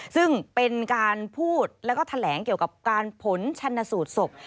ซึ่งเป็นการพูดแล้วก็แถลงเกี่ยวกับการผลชนสูตรศพ